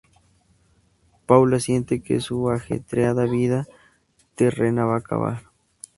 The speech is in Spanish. Paula siente que su ajetreada vida terrena va a acabar.